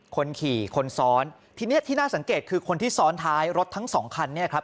คนขี่คนซ้อนทีเนี้ยที่น่าสังเกตคือคนที่ซ้อนท้ายรถทั้งสองคันเนี่ยครับ